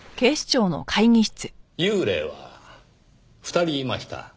幽霊は２人いました。